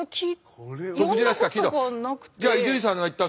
じゃあ伊集院さんが言った